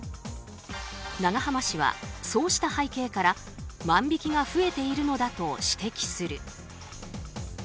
永濱氏はそうした背景から万引きが増えているのだと指摘する。